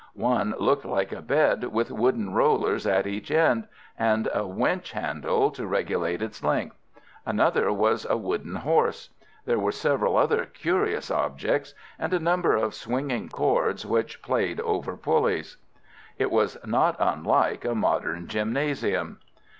One looked like a bed with wooden rollers at each end, and a winch handle to regulate its length. Another was a wooden horse. There were several other curious objects, and a number of swinging cords which played over pulleys. It was not unlike a modern gymnasium.